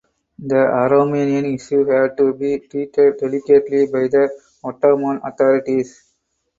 The Aromanian issue had to be treated delicately by the Ottoman authorities.